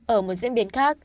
ở một diễn biến khác